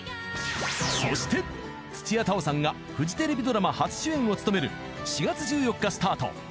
［そして土屋太鳳さんがフジテレビドラマ初主演を務める４月１４日スタート